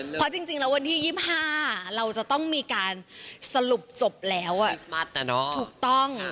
แล้วจริงแล้ววันที่๒๕บเราจะต้องมีการสรุปจบแล้วคริสต์มาทแล้วนะ